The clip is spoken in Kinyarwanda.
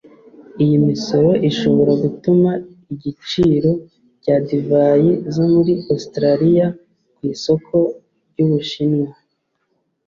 Iyi misoro ishobora gutuma igiciro cya divayi zo muri Australia ku isoko ry'u Bushinwa